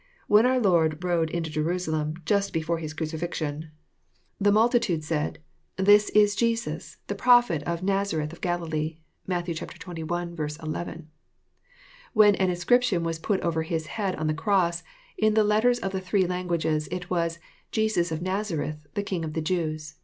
When our Lord rode into Jerusalem, just before his crucifixion^ JOHN, CHAP. vn. 81 the iDnltitode said, <*This is Jesns, the prophet of Nazareth of GaUlee." (Matt. xxl. 11.) When an inscripRon was put over His head oo the cross, in the letters of the three languages, it was, Jesus of N azar eth the king of the Jews."